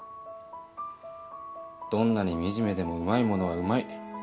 どんなに惨めでもうまいものはうまい。